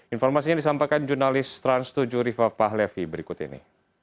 informasinya disampaikan jurnalis trans tujuh riva pahlevi berikut ini